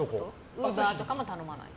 ウーバーとかも頼まない？